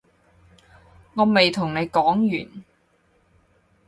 我未同你講完